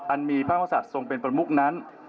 มีพระมศัตว์ทรงเป็นประมุกนั้น